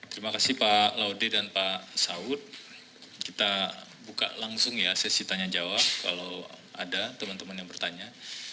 terima kasih pak laude dan pak saud kita buka langsung ya sesi tanya jawab kalau ada teman teman yang bertanya